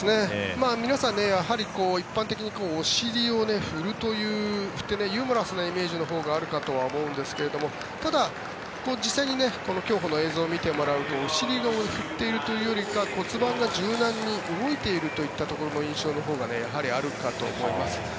皆さん、やはり一般的にお尻を振ってというユーモラスなイメージのほうがあるかとは思うんですがただ実際に競歩の映像を見てもらうとお尻を振っているというよりか骨盤が柔軟に動いているというところの印象のほうがやはりあるかと思います。